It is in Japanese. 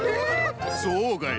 そうかい？